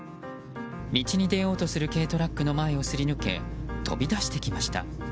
道に出ようとする軽トラックの前をすり抜け飛び出してきました。